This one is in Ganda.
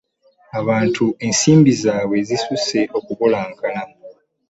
Abantu ensimbi zaabwe zisusse okubulankana.